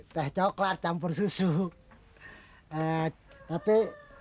teh coklat campur susu tapi